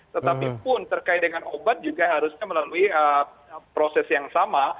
tetapi pun terkait dengan obat juga harusnya melalui proses yang sama